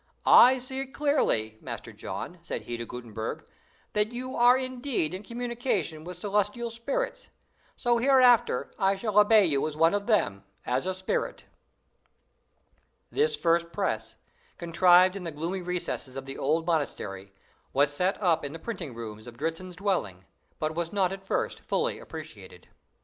'I see clearly, Master John,' said he to Gutenberg, 'that you are indeed in communication with celestial spirits; so hereafter I shall obey you as one of them as a spirit!'" This first press, contrived in the gloomy recesses of the old monastery, was set up in the printing rooms of Dritzhn's dwelling, but was not at first fully appreciated.